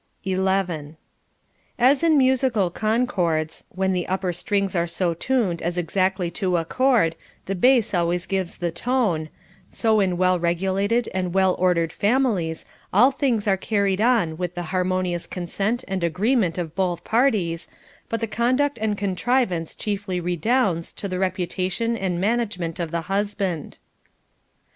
11. As in musical concords, when the upper strings are so tuned as exactly to accord, the base always gives the tone ; so in well regulated and well ordered families, all things are carried on with the harmonious consent and agreement of both parties, but the conduct and contrivance chiefly redounds to the reputation and management of the husband.